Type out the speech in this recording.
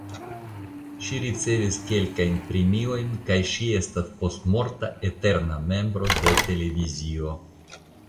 Ŝi ricevis kelkajn premiojn kaj ŝi estas postmorta "eterna membro de la televizio".